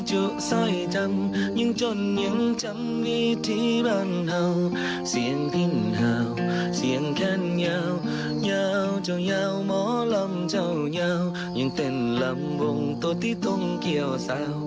เจ้าเยาว์เจ้าเยาว์หมอลำเจ้าเยาว์ยังเต้นลำวงตัวที่ต้องเกี่ยวเศร้า